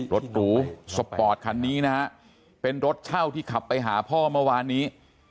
รถหรูสปอร์ตคันนี้นะฮะเป็นรถเช่าที่ขับไปหาพ่อเมื่อวานนี้